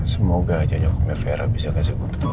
semoga aja nyokupnya vera bisa kasih gupto